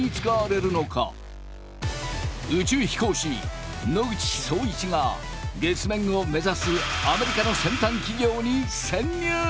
宇宙飛行士野口聡一が月面を目指すアメリカの先端企業に潜入！